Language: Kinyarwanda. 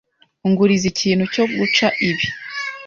Unguriza ikintu cyo guca ibi.